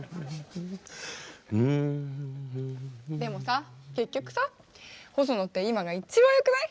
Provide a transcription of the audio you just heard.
でもさ結局さホソノって今が一番よくない？